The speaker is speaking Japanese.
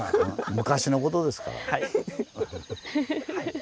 昔のことですから。